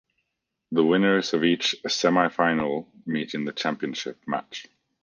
The winners of each semifinal meet in the championship match.